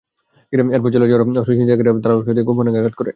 এরপর চলে যাওয়ার সময় ছিনতাইকারীরা ধারালো অস্ত্র দিয়ে তাঁর গোপনাঙ্গে আঘাত করে।